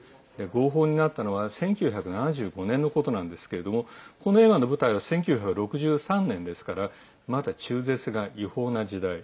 合法になったのは１９７５年のことなんですけれどもこの映画の舞台は１９６３年ですからまだ中絶が違法な時代。